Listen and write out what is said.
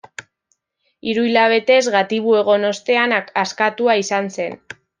Hiru hilabetez gatibu egon ostean askatua izan zen.